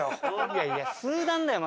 いやいや数段だよ。